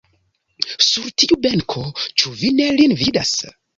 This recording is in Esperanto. Sur tiu benko, ĉu vi ne lin vidas!